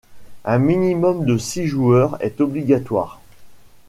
Un minimum de six joueurs est obligatoire.